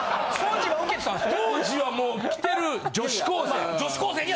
当時はもう来てる女子高生が。